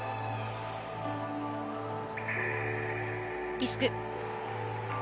リスク。